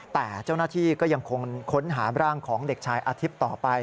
แต่เจ้าหน้าที่ก็ยังคงค้นหาร่างของเด็กชายอาทิตย์ต่อไป